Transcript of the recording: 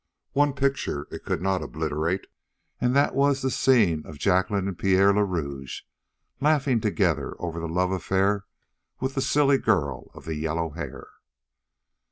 One picture it could not obliterate, and that was the scene of Jacqueline and Pierre le Rouge laughing together over the love affair with the silly girl of the yellow hair.